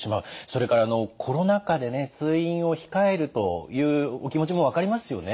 それからコロナ禍でね通院を控えるというお気持ちも分かりますよね。